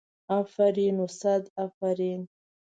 افرین و صد افرین.